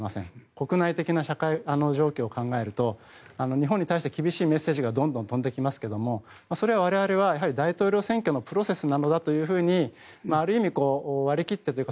国内的な社会状況を考えると日本に対して厳しいメッセージがどんどん飛んできますがそれは我々は大統領選挙のプロセスなんだとある意味、割り切ってというか